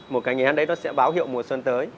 một cái đấy nó sẽ báo hiệu mùa xuân tới